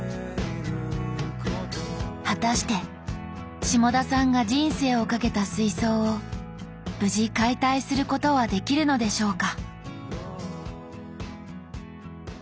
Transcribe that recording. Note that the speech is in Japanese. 果たして下田さんが人生を懸けた水槽を無事解体することはできるのでしょうか。